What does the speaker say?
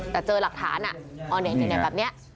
แต่เจอหลักฐานอ่ะอ๋อแจกแบบนี้